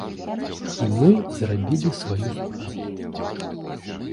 І мы зрабілі сваю справу.